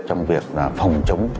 trong việc phòng chống